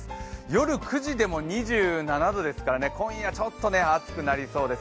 夜９時でも２７度ですから、今夜、ちょっと暑くなりそうです。